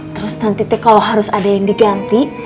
terus nanti t kalo harus ada yang diganti